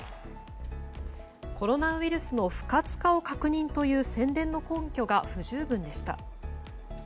コロナウイルスの不活化を確認という宣伝の根拠が不十分でした。